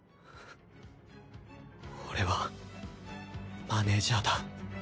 俺はマネージャーだ。